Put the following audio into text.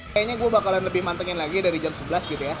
kayaknya gue bakalan lebih mantengin lagi dari jam sebelas gitu ya